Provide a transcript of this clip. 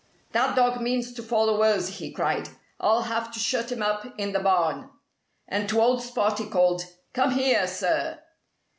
"That dog means to follow us," he cried. "I'll have to shut him up in the barn." And to old Spot he called, "Come here, sir!"